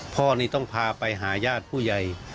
พ่อนี่ต้องพาไปหาญาติผู้ใหญ่